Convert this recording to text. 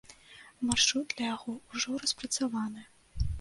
Маршрут для яго ўжо распрацаваны.